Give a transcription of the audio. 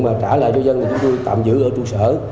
mà trả lại cho dân thì chúng tôi tạm giữ ở trụ sở